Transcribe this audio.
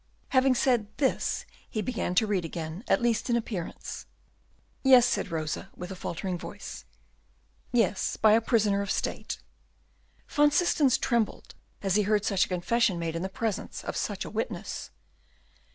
Having said this he began to read again, at least in appearance. "Yes," said Rosa, with a faltering voice, "yes, by a prisoner of state." Van Systens trembled as he heard such a confession made in the presence of such a witness.